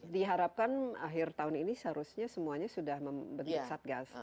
diharapkan akhir tahun ini seharusnya semuanya sudah membentuk satgas